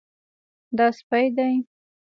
دا سپی دی